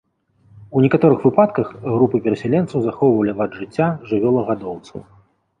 У некаторых выпадках групы перасяленцаў захоўвалі лад жыцця жывёлагадоўцаў.